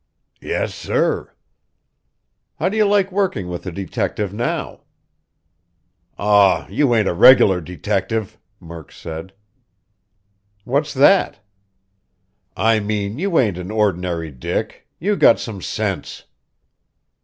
"Yes, sir." "How do you like working with a detective now?" "Aw, you ain't a regular detective," Murk said. "What's that?" "I mean you ain't an ordinary dick. You got some sense."